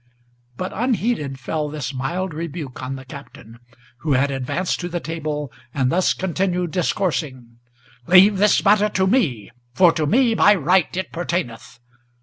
But unheeded fell this mild rebuke on the Captain, Who had advanced to the table, and thus continued discoursing: "Leave this matter to me, for to me by right it pertaineth.